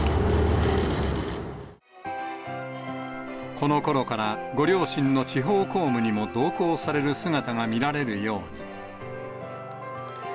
このころから、ご両親の地方公務にも同行される姿が見られるように。